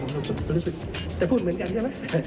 รู้สึกจะพูดเหมือนกันใช่ไหม